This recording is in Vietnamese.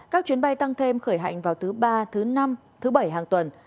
các chuyến bay tăng thêm khởi hành vào thứ ba thứ năm thứ bảy hàng tuần